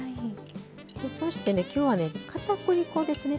そしてね今日はねかたくり粉ですね。